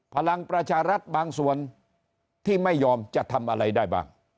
พลังประชารัฐบางส่วนที่ไม่ยอมจะทำอะไรได้บ้าง